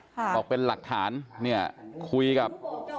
บอกเป็นหลักฐานเนี่ยคุยกับ